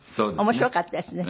面白かったですね。